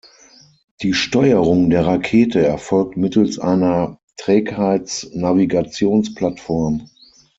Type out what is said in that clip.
Die Steuerung der Rakete erfolgt mittels einer Trägheitsnavigationsplattform.